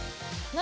何？